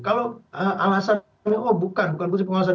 kalau alasannya oh bukan fungsi pengawasan